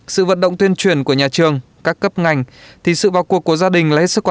sự vận động tuyên truyền của nhà trường các cấp ngành thì sự bao cuộc của gia đình là hết sức